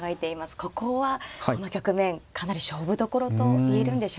ここはこの局面かなり勝負どころと言えるんでしょうか。